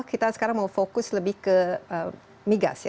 kita sekarang mau fokus lebih ke migas ya